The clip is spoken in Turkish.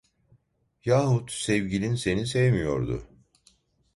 Yahut sevgilin seni sevmiyordu…